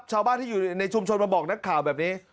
ชาวบ้านที่อยู่ในชุมชนมาบอกนักข่าวแบบนี้